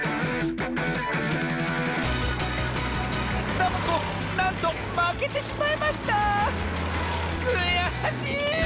サボ子なんとまけてしまいましたくやしい！